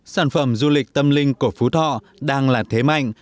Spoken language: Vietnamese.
sản phẩm du lịch tâm linh của phú thọ đang là thế mạnh